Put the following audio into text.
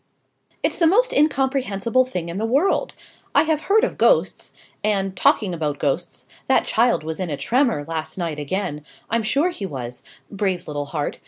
"It's the most incomprehensible thing in the world! I have heard of ghosts and, talking about ghosts, that child was in a tremor, last night, again I'm sure he was. Brave little heart!